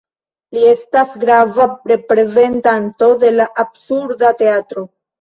Li estas grava reprezentanto de la Absurda Teatro.